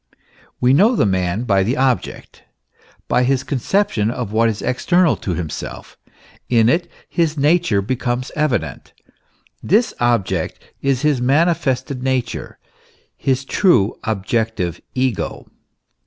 We know the man by the object, by his conception of what is external to himself; in it his nature becomes evident; this object is his manifested nature, his true objective ego.